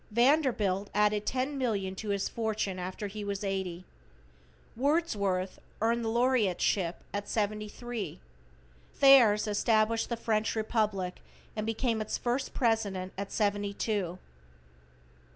Vanderbilt added $100,000,000 to his fortune after he was eighty. Wordsworth earned the Laureateship at seventy three. Theirs established the French Republic and became its first president at seventy two.